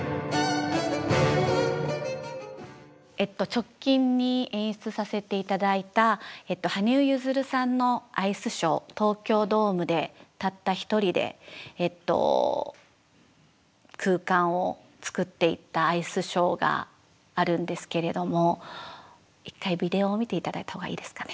直近に演出させて頂いた東京ドームでたった一人で空間を作っていったアイスショーがあるんですけれども一回ビデオを見て頂いたほうがいいですかね。